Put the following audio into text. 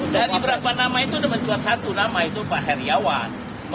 dan beberapa nama itu sudah mencuat satu nama itu pak haryawan